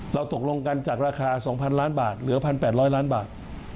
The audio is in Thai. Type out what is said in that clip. ตกลงกันจากราคา๒๐๐ล้านบาทเหลือ๑๘๐๐ล้านบาท